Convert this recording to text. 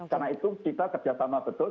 karena itu kita kerja sama betul